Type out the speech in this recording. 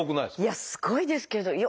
いやすごいですけど。